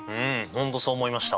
本当そう思いました。